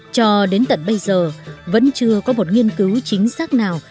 cho đến tận bây giờ vẫn chưa có một nghiên cứu chính xác nào